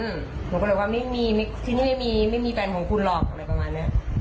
หนูก็เลยว่าไม่มีที่นี่ไม่มีแฟนของคุณหรอกอะไรประมาณนี้